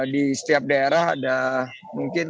di setiap daerah ada mungkin